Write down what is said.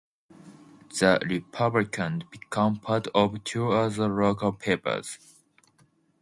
The "Republican" became part of two other local papers.